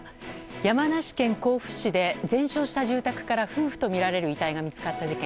山梨県甲府市で全焼した住宅から夫婦とみられる遺体が見つかった事件。